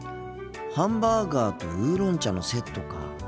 ハンバーガーとウーロン茶のセットか。